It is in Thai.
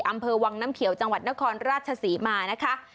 อำเภอวังน้ำเขียวจังหวัดนครราชศรีมานะคะ